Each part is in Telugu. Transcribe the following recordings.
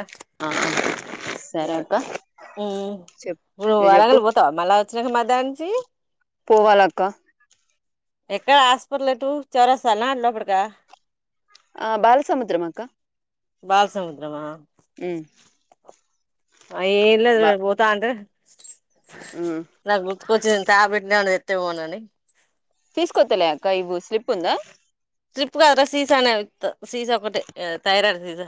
అ ఆ సరే ఆ అక్క ఊ చెప్ నువ్ నువ్వు చెప్పు వరంగలు పోతావా మళ్ళా వచ్చినాక మా దాంచి పోవాలక్క ఎక్కడ హాస్పిటల్ ఎటు చౌరస్తా నా లోపటికా ఆ బాలసముద్రం అక్క బాల సముద్రమా ఉ ఆ ఏం లేద్ లే పోతా అంటే ఉమ్ [inaudible] నా గుర్తుకొచ్చింది తాబ్ బెట్టిననె తెవోనాని తీసుకొతలే అక్క ఇవ్వు స్లిప్ ఉందా ట్రిప్ కాదరా సీసా నే విత్ సీసా ఒకటి ఏ తయరాడు సీసా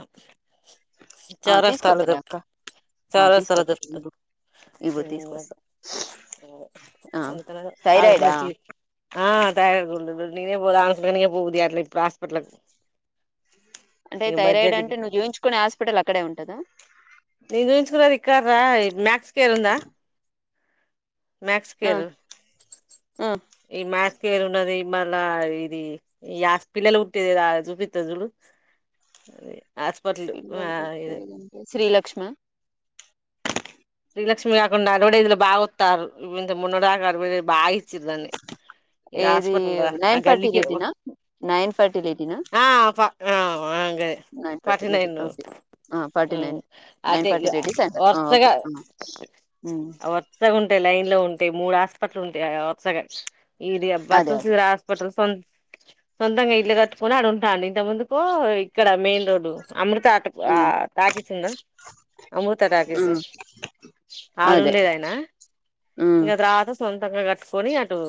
ఆ చౌరస్తాల తీసుకొత్తలే దొరుకుత అక్క ఆ చౌరస్తాల తీసుకొత్త దొరుకుతది ఇవ్వు ఇవ్వు ఊ ఆది తీసుకొస్తా ఆ అంతలేదు థైరాయిడా ఆవేశంలో చీర్ ఆ థైరాడ్ గుళ్ళు గుల్ నీదేం బోద్ ఆమె అసల్ కె బోనియద్ ది అట్ల ఇప్పుడు హాస్పిటలకు అంటే థైరాయిడ్ అంటే నువ్వు చూయించుకునే హాస్పిటల్ అక్కడే ఉంటదు వోయ్ నక్స్ కేరుందా ఆ మక్స్కెరు ఆ ఈ మ్యాక్స్కెరు ఉన్నది మళ్ళ ఇది యాస్ పిల్లలు ఉట్టేదేది ఆడ చూపిస్త జులు పిల్లలు వుట్టేదంటే శ్రీ లక్ష్మ శ్రీలక్ష్మి కాకుండా అడవడేస్ ల బాగొతరు ఇంత మొన్నటి దాక అడవడేస్ బా ఇచ్చి దాన్ని ఇది ఏది హాస్పిటల్ రా ఆ నైన్ గల్లికె వొ ఫర్టిలిటీనా నైన్ ఫర్టిలిటీనా ఆ ఆ ప ఆ ఆ గదే నైన్ ఫర్టిలిటీ పాటినైను ఓకే ఆ ఫార్టీ ఉ నైన్ నైన్ అతే ఇగ ఫార్టీ లేడీస్ సెంటర్ ఆ ఓకే వరుసగా ఆ ఉమ్ ఆ వర్సగుంటయ్ లైన్ లో ఉం ఉంటాయి మూడు ఆస్పటల్ ఉంటయి ఆ వత్సగా ఇది అబ అదే అదే చూసిరా హాస్పిటల్స్ సన్ సొంతంగా ఇల్ కట్టుకొని ఆడున్ కానీ ఇంత ముందుకూ ఇక్కడ మెయిన్ రోడ్డు అమృత ఆటకు ఆ ఉమ్ టాకీసు వుందా అమృత టాకీసు ఉమ్ అదే ఆడుండేదయినా హ్మ్. ఇం రాత్ర సొంతంగా పోనీయా టూ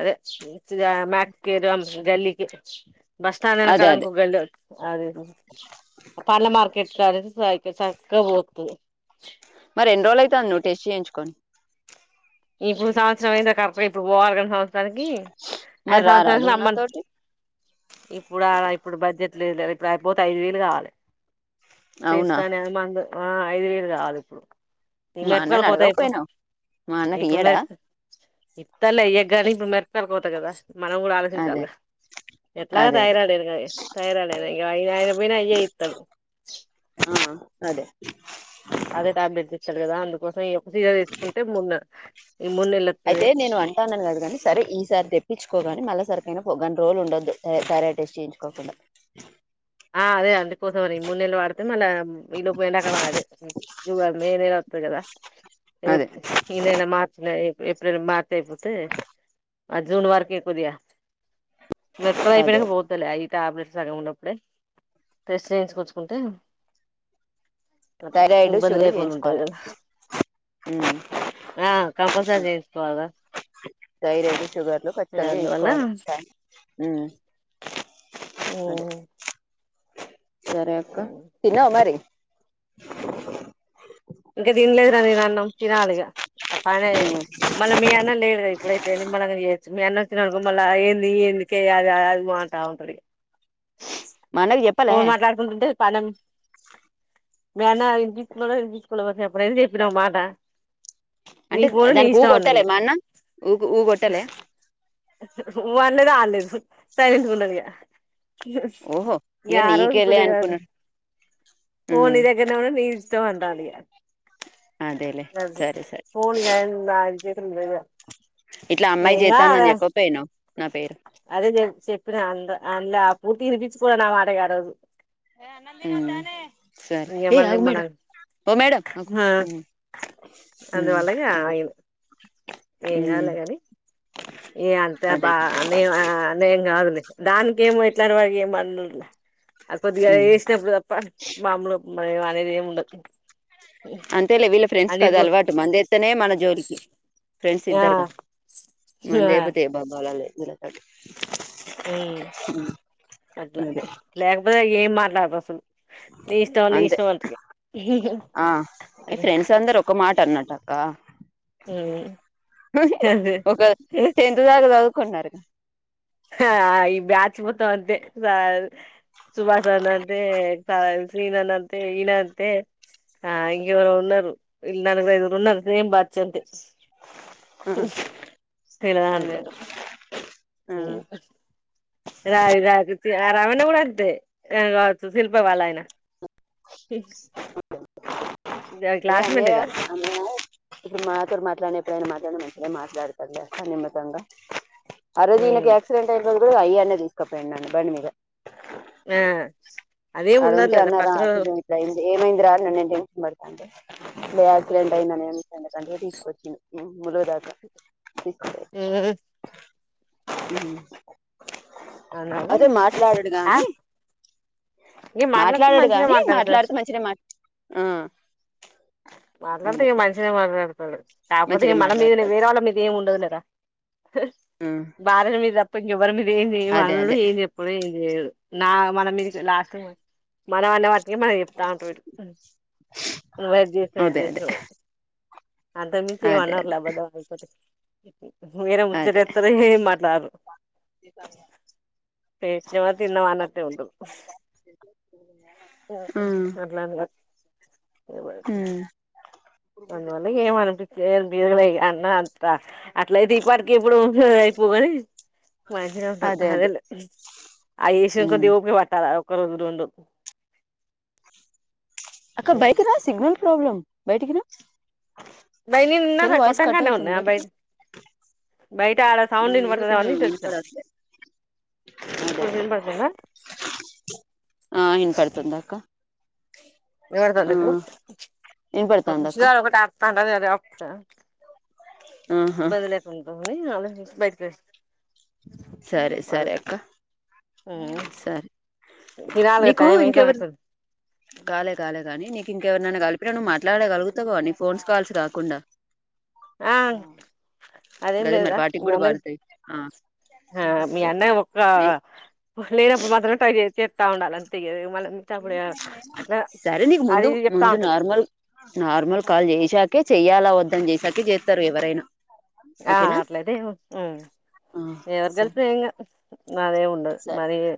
అదే మక్ గల్లీకి బస్ స్టాం ఏన్ అదే అదే. కళకకి అదే అ పన్న మార్కెట్గాారు స చక్క పోతు మరి ఎన్ని రోజులైతాంది నువ్వు టెస్ట్ చేయించుకొని? ఇప్పుడు సంవత్సరం అయింద కరక్ ఇప్పుడు పోవ అయిన మరి సంవసర రారాదు రమ్మం నాతోటి? ఇప్పుడు ఇప్పుడు బడ్జెట్ ఇపుడు పోతే ఐదు వేలుకావాలి టస్ అవునా! నేమా అంది ఆ ఐదు వేళ్లు కావాలి ఇప్పుడు న మా అన్నని మెట్కాలకి పోతాయిపు అడగకపోయినావు? మా అన్నకి ఇప్పుడు మ ఇయ్యడా? ఇప్పలే ఎగ ఇప్పుడు మ కరిపోతా కదా మనం కూడా అదే. ఆలోచించాలి ఎట్లాగా అదే అదే. థైరాయిడ్ అయిన థైరాయిడ్ అయినా ఇ అయి అయిన పోయిన అయ ఇస్తాడు ఆ! అదే అదే ట్యాబ్ట్ ద చల్దా అందు ఒకస జిగ వేసుుకుంటే ముూన్న అయితే నేను అంటాన కదు కాని సరే ఈసారి తెప్పించుకోగాని మళ్ళా సరికనా ప గం రోజులు ఉండొదు తార టెస్ట్ చేయించుకోకుండా ఆ అదే అందుకోసం అని ఈ మూడు నెలలు వాడితే మళ్ళా ఈ లోపు ఎంండకడ అదే మే నెల అతుంది కదా అదే. ఈ నెల మార్చి న ఏప్రిల్ మార్చ్ అయిపోతే ఆ జూన్ వరకు ఎక్కుదియా వెక్కల అయిపోన అదే. పోతలే ఆయి ట్యాబ్లేెట్స్ సగ ఉప్పుడే ప్రశ్యించుకొచ్చుకుంటే థైరాయిడ్ షుగర్ చేయించుకోవాలి ఆ కంపల్సరీ చేయించుకోవాలిరా థైరాయిడ్ షుగర్లు ఇగ ఖచ్చితంగా అందువల్ల చేయించుకోవాలి ఓ అదే. సరే అక్క తన్నవా మరి ఇంకా తినలేదు నా నేను అన్నం తినాలి ఇగా పనీ హ్మ్. మన మీ అన్న లేలీడ ఇప్పుడు ఇతే మన మీ అన్న వచ్చినడుకో మళ్ళీ ఏంది ఏందుకేయాలీ అది మాటా అవుతది మా అన్నకి చెప్పలే? ఫోన్ మాట్లాడుకుంటుంటే పనం ఏ ఇ బీకుస అప్పు ఏది చెప్ప నవు మాటా నీ అంటే పోను నీ దానికి ఊ ఇష్టం కొట్టాలే అన్నడిగా మా అన్న ఊ ఊ కొట్టాలే అనలేదు అనలేదు సైలెంట్ ఉన్నాడికా ఓహో ఇక యా రోజు నీకేలే కుది వదు అనుకున్నాడు ఫోన్ ఉమ్ నిదగర్నే ఉన్ రీల్స్ ఇష్టం అంటందిగా అదేలే అదే సరే సరే పోనిగా [inaudible] [unintelligible] ఇట్లా అమ్మాయి చేస్తాందని చెప్పకపోయినావ్ అదే చే రంధా అంద ఆ పూర్తి వినిపించికోరు నా మాటకి ఆ రోజు ఉమ్ సరే ఏయ్ ఇంకేమన్నా ఆగు మన మేడం ఓ మేడం ఉ ఆ ఉ అందువల్ల అదే ఆయన ఉమ్ ఈయ అంత అదే బా న నేన్ కాదులే దానికేమో ఇట్ల [inaudible] అది కొద్దిగా ఉమ్ వేసినప్పుడు తప్ప మామలు మనం ఏం అనేదెమ్ ఉండద్ అంతేలే వి విల్లా ఫ్రెండ్స్ కాది అలవాటు మంద ఎస్తనే మన జోలికి ఫ్రెండ్స్ ఆ ఇద్దరుగా మందు ఏయకపోతే బాబా అలా లేదు ఇలా కాదు హ అట్లా అదే లేకపోతే ఏం మాట్లాడు వసల్ నీ ఇష్టం నీ అంతే ఇష్టం అంటడు కర్నాటక్క అదే ఒక టెన్త్ దాకా చదు కొన్నారు హా ఇ బద్ పోతాము అంతే సార్ సుభాస అన అంతే శీనాన్ అంతే ఈనా అంతే ఆ ఇంగేవరు ఉన్నారు ఇల్ నలుగురు ఐదుగురు ఉన్నారు సేమ్ బ్యాచ్ అంతే సే దాంట్లో అదేదో ఆ ఉ రాయి రాదు రావన్న కూడా అంతే శిల్ప వాళ్ళాయన ఏ అన్నయ [inaudible] ఇప్పుడు మా తోటి మాట్లాడేది నేను మధ్యానం మంచిగ మాట్లాడుతన్లే నిమితంగా ఆ రోజు ఈయనకు ఉమ్ ఆక్సిడెంట్ అయ్యినరోజు ఇప్పుడు అయ్యన్న తీసుకపోఇండు నన్ను బండి మీద ఆ అదేం ఆడ ఉండదు ఉంటే లేరా అన్నరా పక్కన ఆపరేషన్ గిట్లయింది ఏమైందిరా [unintelligible] ఉమ్. ఆక్సిడెంట్ అయిందని ఎందుకుని తీసుకొచిండు ములదకా తీస్ ఎవరు హు అందువల్ల అదే మాట్లాడడు ఆ గాని ఇగ మాట్లాడితే మాట్లాడడు మంచిగా గాని మాట్లాడతారు మాట్లాడితే మంచిగనే మాట్ ఆ మాట్లాడితే అదే ఈ మంచిగనే మాట్లాడు తడు కాకపోతే మంచినే ఏ మన మీదేనే మాట్లాడతాడు వేరేవాళ్ళ మీద ఎమ్ ఉండదులేరా భార్యల మీద తప్ప ఇంకెవ్వరి మీద ఏం చేయ అదే అదే అనడు ఏం చెప్పడు ఏం చేయడు నా మన మీదికి లాస్ట్ మన అన్న [unintelligible] ఏమై చెప్తా ఉంటడు ఇటు ఊ [unintelligible] ఎమ్ చేసావ్ [inaudible] అంతకు మించి ఏం అనరు లే [unintelligible] ఇప్పు మీరే ముచ్చడి చెప్తరు ఎమ్ మాట్లారు పెట్నమా తిన్నామ అన్నట్టే ఉంటరు [unintelligible] హు అందువల్ల ఇగ ఏం అనేటట్లే [unintelligible] అన్న అం త అట్ల అయితే ఈపాటికి ఎప్పుడో ఐపోగాని మంచిగా ఉంటడు అదే అదే అదేలే ఆ విషయంకి ఉమ్ కొద్దిగ ఓపిక పట్టాలా [unintelligible] అక్క బైకి రా సిగ్నల్ ప్రాబ్లమ్ బయటికి రా బయ్ సెల్ నిన్నదా వాయిస్ కొట్టం కట్ కాడనే అవుతుంది ఉన్నా బయటికి రా బయట ఆడ సౌండ్ ఏందో వినపడుతుదేమో కొంచెం అని ఇటొచ్చా వినపడట్లే అదే ఇప్పుడు వినపడుతుందా అ వినపడ్తుందా వినపడుతుంది అక్క ఇప్పుడు [unintelligible] రాక్ తారా ఊహూ [unintelligible] సరే మళ్ళ సరే అక్క సరే తినాలిగా నీకు టైం ఇంకెవరు అయితానట్టుంది గాలే గాలే గానీ నీకింకెవరినన్నా కలిపిన నువ్వు మాట్లాడగలుగుతావో నీ ఫోన్స్ కాల్స్ గాకుండా ఆ హ్మ్ అదేం గదే మరి పార్టీ కూడా పాడుతాయి హా మీ అన్న ఒక మ లేనప్పుడు మాత్రమే ట్రై చే చేత్తా ఉండాలి అంటే ఇగే మల్ల సరే నీకు అది ముందు ఇది చెప్తా ముందు ఉంటాడు నార్మల్ నార్మల్ కాల్ చేశాకే చేయ్యాలా వద్దా అని చేశాకే చేత్తారు ఎవ్వరైనా ఆ అట్లైతే ఏమో హ్మ్ ఆ ఎవరి సరే తెలుత్తొ [unintelligible] [inaudible] మాదేం ఉండదు సరే మరియే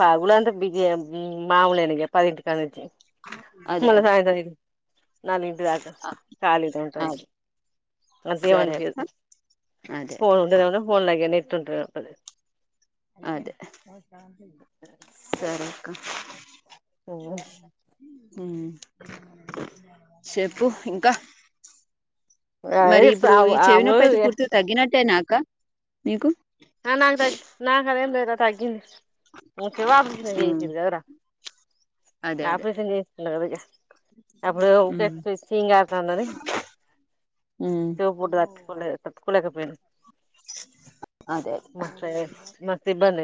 పగులు అంత బిజీయే మ్మ్ మామూల్నే ఇగ పదింటికాడ నుంచి అదే మల్ల అదే సాయంత్రం ఇది నాలుగింటిదాకా ఖాళీ టైం పనికి అదే అంతేం సరే అక్క అన్పియ్యదు. అదే అదే ఫోన్ ఉండదేమోనే ఫోన్ లై ఇగ నెట్ ఉంటదో [inaudible] అదే హ్మ్ చెప్పు ఇంకా అదే మరి చెప్తా ఇప్పుడు ఈ చెవి నొప్పి అయితే పూర్తిగా తగ్గిన తేనా అక్క ఆ నాకు తగ్గి నాకు అదేం లేదు రా తగ్గింది ము చెవ్వు అపరేషన్ ఉమ్ చేషిర్రు కదరా అదే అదే ఆపరేషన్ జేస్ నవబజ అప్పుడు ఒకటే ఉమ్ చి చీము కారతుందని ఉమ్ చెవుపోటుత తట్టుకోలే తట్టుకోలేకపోయిన్ అదే అదే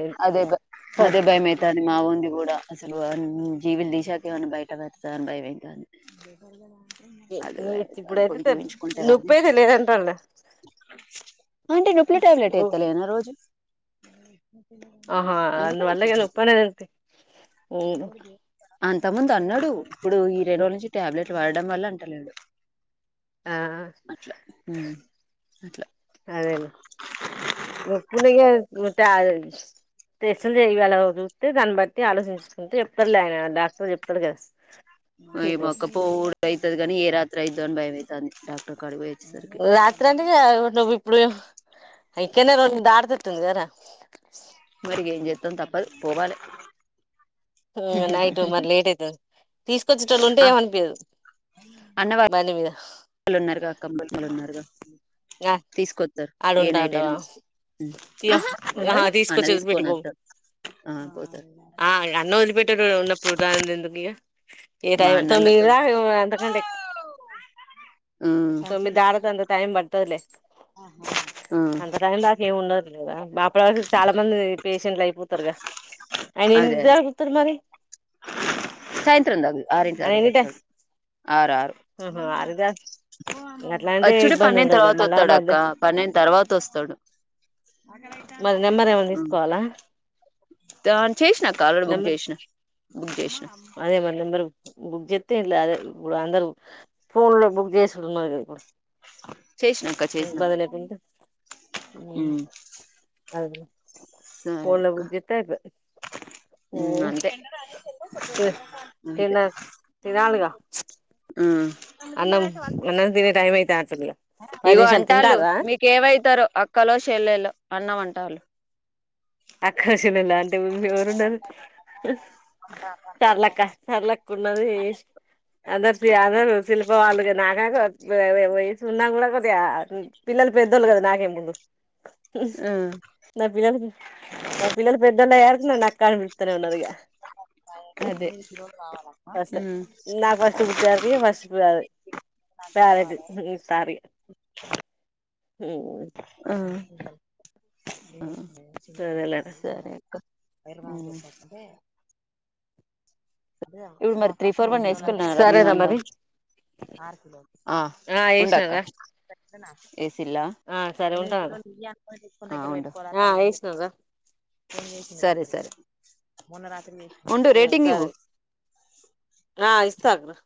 అయింది అదే బ అదే భైమైతాంది మా ఓన్ ఇది కూడా అసలు అన్ జిబీలు తీసాక ఏమన్నా బయట పెడతానని భయమయితాంది. [unintelligible] ఇప్పుడైతే తెల్స్ నొప్పి గాని అయితే లేదంటడ్ లే అంటే నొప్పుల టాబ్లెట్ హ్మ్ ఎత్తలేనా రోజు ఆహా నువ్వు [inaudible] నొప్పి అనే [inaudible] హ్మ్ అంతకుముందు అన్నాడు, ఇప్పుడు ఈ రెండు రోజులు నుంచి టాబ్లెట్ వాడటం వల్ల అంటలేడు. ఆహా అట్లా ఉమ్ అట్లా అదే లే నొప్పి ఉండేగ [unintelligible] టెస్టులు చేయగల చూస్తే, దాని బట్టి ఆలోచించుకుంటే చెప్తాడు లే ఆయనా డాక్టర్ చెప్తాడు గ ఈ మక్కపువ్వు కూడా అయితది గని ఏ రాత్రి అయి తోన్ భయమయితాంది డాక్టర్ కాడికి పోయ్ రాత్రంత ఇగా నువ్వు ఇప్పుడు ఈ కింద రోజు [inaudible] దాటతితుంది కదరా! మరి ఇగ ఏం చేత్తం తప్పదు పోవాలే హ్మ్ నైట్ మరి లేట్ అయితది తీసుకొచ్చేటోళ్లు ఉంటే ఏమనిపియదు బండి మీద లు ఉన్నారుగా కాంబర్తిలు ఉన్నారుగా తీసుకొత్తరు ఆడ ఏ ఉంటా నైట్ అయినా అంటవా తీసు ఇగో ఆహా ఆహా ఉండరు అన్న తీసుకొచ్చి తీసుకొని వదిలిపెట్టిపో వత్తడు ఆ పోతరు ఆ నన్ను వదిలిపెట్టిర్రు ప్రొతాంది ఎందుకు ఇగ ఏ మా టైం అన్నోళ్ళతో తొమ్మిదిరా అంతకంటే ఉమ్ తొమ్మిది దాట్ తే అంత టైం ప వత్తది లే అంత టైం దాకా ఏమి ఉండదు లేరా అప్పటి వరకు చాలా మంది పేషెంట్లు అయిపోతారుగా ఆయన ఆ ఎన్ని అదే అదే జరు [unintelligible] మరి సాయంత్రం దాకా ఆరింటి ఆయన ఎన్ని టై దకా [inaudible] ఆర్ ఆరు ఆహా అదిగా అట్లా అంటే వచ్చుడు ఇబ్బంది పన్నెడ్ ఉండదులే తర్వాత మళ్ళా వత్తడు అక్క మధ్య పన్నెడు తర్వాత వస్తాడు. మరి నెంబర్ ఏమైనా తీసుకోవాలా దాన్ చేసినా అక్క ఆల్రెడీ బుక్ నెంబర్ చేషిన బుక్ చేష్ అదే మరి నెంబర్ బుక్ చేస్తే ఇట్లా అదే ఇప్పుడు అందరు ఫోన్ లో బుక్ చేసిడు ఉన్నదిగా ఇప్పుడు అ చేసినాక్క చేసిన ఇబ్బంది లేకుండా ఉమ్, హ్మ్ అదే సరే ఫోన్ లో అక్క బుక్ చేస్తే అయిపోతది హ్మ్ అంతే అంతే తిన్న తినాలిగా హ్మ్ అన్నం అన్నం తినే టైం అయితాంటుంది ఇగ పది ఇగో నిమిషాలు అంటాలు తింటారా మీకేమయతారో అక్కలో చెల్లెలో అన్నామం టల్ ఆకర్షణలు అంటే ఎవరున్నారు సర్లక్క సర్లక్క ఉన్నది అందరు అందరు శిల్పవాళ్ళు గినా [unintelligible] వయసు ఉన్నా కూడా కొందిగా పిల్లలు పెద్దోళ్ళు కదా నాకే ముందు [unintelligible] నా పిల్లలు పెద్ద పున యారు నా కమి ప్తనే ఉన్నదిగా అదే నాకు ఫస్ట్ బుత్తరికి ఫస్ట్ ప పారెట్ సారీ హ్మ్ ఆ అదేలేరా సరే అక్క మ్మ్ [unintelligible] ఇవి మరి త్రీ ఫోర్ వన్ వేసుకున్నారా సరేరా మేమంద మరి ఆ ఉండక్క [unintelligible] ఏసిన్ల ఆ సరే ఉంటాను రా ఆ ఏసినారా సరే సరే మొన్న రాత్రి కి చేస్ ఉండు రేటింగ్ ఇవ్వు సరే ఆ ఇస్తానురా